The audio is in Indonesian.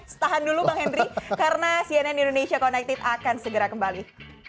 setahan dulu bang henry karena cnn indonesia connected akan segera kembali